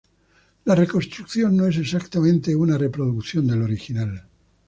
La reconstrucción no es exactamente una reproducción del original.